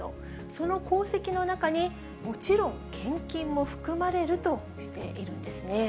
その功績の中にもちろん献金も含まれるとしているんですね。